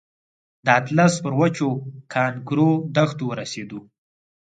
د اطلس پر وچو کانکرو دښتو ورسېدو.